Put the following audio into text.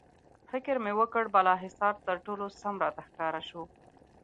فکر مې وکړ، بالاحصار تر ټولو سم راته ښکاره شو.